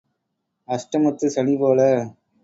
அஷ்டமத்துச் சனி போல.